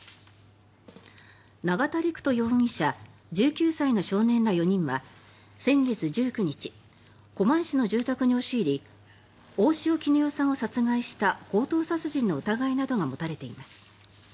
永田陸人容疑者１９歳の少年ら、４人は先月１９日狛江市の住宅に押し入り大塩衣與さんを殺害した強盗殺人の疑いなどが持たれています。